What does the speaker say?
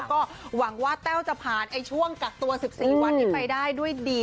ก็หวังว่าแต้วจะผ่านช่วงกักตัว๑๔วันนี้ไปได้ด้วยดี